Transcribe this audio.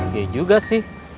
ya juga sih